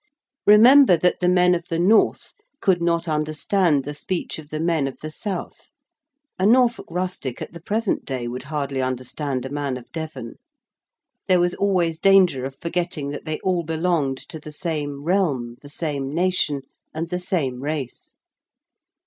Remember that the men of the North could not understand the speech of the men of the South: a Norfolk rustic at the present day would hardly understand a man of Devon: there was always danger of forgetting that they all belonged to the same realm, the same nation, and the same race.